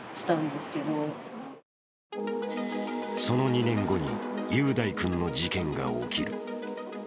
その２年後に雄大君の事件が起きる。